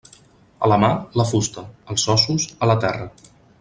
A la mar, la fusta; els ossos, a la terra.